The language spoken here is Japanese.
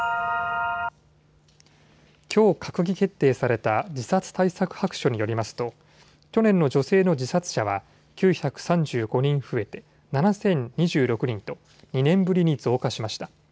きょう閣議決定された自殺対策白書によりますと去年の女性の自殺者は９３５人増えて７０２６人と２年ぶりに増加しました。